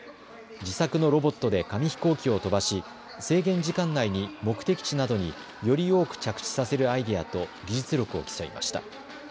自作のロボットで紙飛行機を飛ばし制限時間内に目的地などにより多く着地させるアイデアと技術力を競いました。